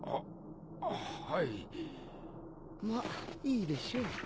まあいいでしょう。